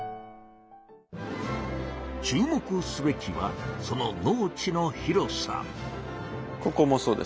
注目すべきはその農地の広さ。